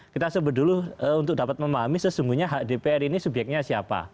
kita sebut dulu untuk dapat memahami sesungguhnya hak dpr ini subyeknya siapa